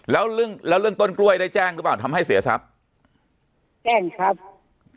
แล้วเรื่องแล้วเรื่องต้นกล้วยได้แจ้งหรือเปล่าทำให้เสียทรัพย์แจ้งครับ